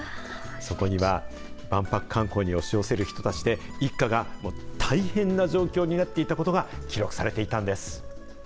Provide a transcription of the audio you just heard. そこには万博観光に押し寄せる人たちで、一家が大変な状況になっていたことが記録されていたんです。